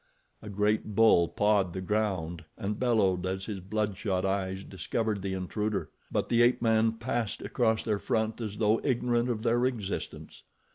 A great bull pawed the ground and bellowed as his bloodshot eyes discovered the intruder; but the ape man passed across their front as though ignorant of their existence.